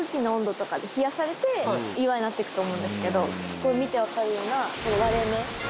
ここ見て分かるような割れ目。